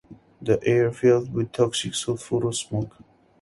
The air filled with toxic sulfurous smoke.